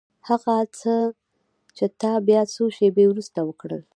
هغه څه چې تا بيا څو شېبې وروسته وکړل.